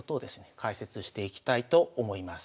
解説していきたいと思います。